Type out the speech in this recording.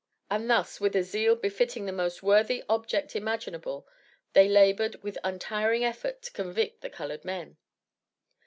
And thus, with a zeal befitting the most worthy object imaginable, they labored with untiring effort to convict the colored men.